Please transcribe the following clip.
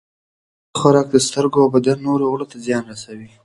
ناوخته خوراک د سترګو او بدن نورو غړو ته زیان رسوي.